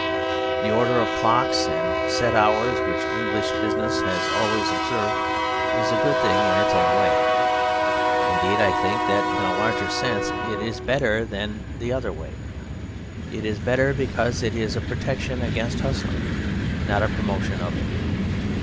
The order of clocks and set hours which English business has always observed is a good thing in its own way; indeed I think that in a larger sense it is better than the other way. But it is better because it is a protection against hustling, not a promotion of it.